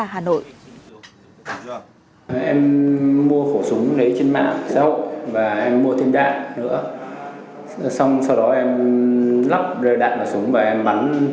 đó là hà nội